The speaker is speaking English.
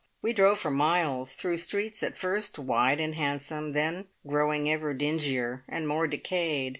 We drove for miles, through streets at first wide and handsome, then growing ever dingier and more "decayed".